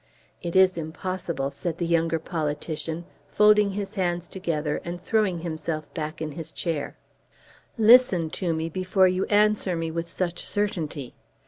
"It is impossible," said the younger politician, folding his hands together and throwing himself back in his chair. "Listen to me before you answer me with such certainty.